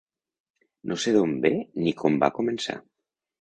No sé d'on ve ni com va començar.